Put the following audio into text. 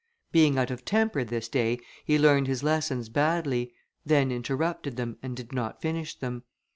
Being out of temper this day, he learned his lessons badly; then interrupted them, and did not finish them.